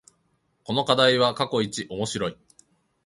この課題は過去一面白い